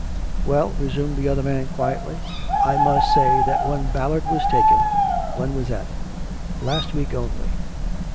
" Well," resumed the other man quietly. " I must say that when Ballard was taken " "When was that?" " Last week only.